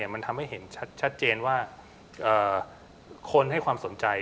มันทำให้เห็นชัดเจนว่าคนให้ความสนใจ